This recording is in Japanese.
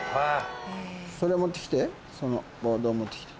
それを持ってきてそのボードを持ってきて。